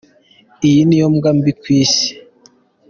Iyi niyo mbwa mbi ku isi.